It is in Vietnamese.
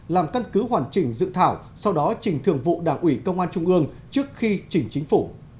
làm căn cứ hoàn chỉnh dự thảo sau đó chỉnh thường vụ đảng ủy công an trung ương trước khi chỉnh chính phủ